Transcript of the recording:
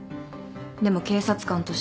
でも警察官として。